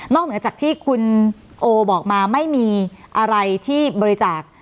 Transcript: เหนือจากที่คุณโอบอกมาไม่มีอะไรที่บริจาค